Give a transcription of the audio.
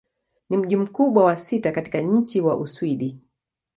Ni mji mkubwa wa sita katika nchi wa Uswidi.